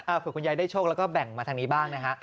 เผื่อคุณยายได้โชคแล้วก็แบ่งมาทางนี้บ้างนะฮะ